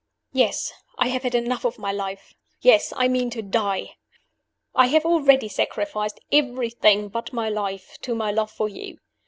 "Yes: I have had enough of my life. Yes: I mean to die. "I have already sacrificed everything but my life to my love for you.